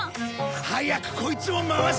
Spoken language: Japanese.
早くこいつを回せ！